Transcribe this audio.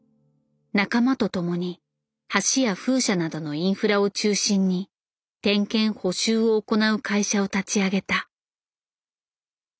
仲間と共に橋や風車などのインフラを中心に点検・補修を行う会社を立ち上げた。